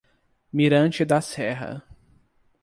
Mirante da Serra